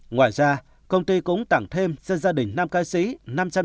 ngoài ra công ty cũng tặng thêm cho gia đình nam ca sĩ năm trăm linh triệu đồng